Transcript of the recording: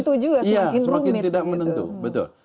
semakin rumit iya semakin tidak menentu betul